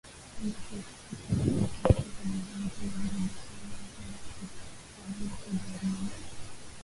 kamati za kisekta kuhusu masuala muhimu kama vile biashara afya usalama fedha elimu